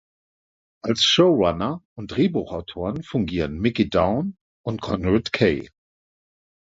Als Showrunner und Drehbuchautoren fungieren Mickey Down und Konrad Kay.